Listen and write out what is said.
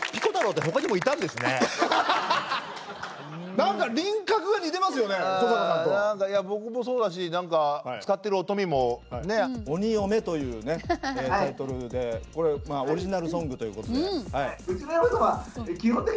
何かいや僕もそうだし何か使ってる音にもね。「鬼嫁」というねタイトルでこれオリジナルソングということで。